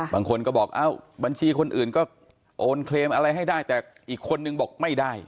บางคนก็บอกเอ้าบัญชีคนอื่นก็โอนเคลมอะไรให้ได้แต่อีกคนนึงบอกไม่ได้